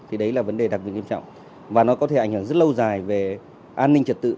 thì đấy là vấn đề đặc biệt nghiêm trọng và nó có thể ảnh hưởng rất lâu dài về an ninh trật tự